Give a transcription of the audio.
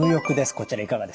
こちらいかがですか？